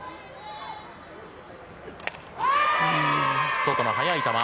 外の速い球。